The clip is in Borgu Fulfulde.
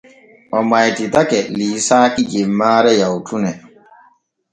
O maytitake liisaaki jemmaare yawtune.